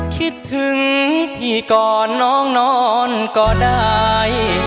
คิดถึงพี่ก่อนน้องนอนก็ได้